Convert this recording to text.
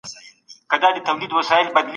دي مجلس به د پوهنې نوی قانون پاس کړی وي.